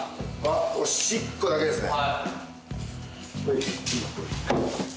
おしっこだけですね。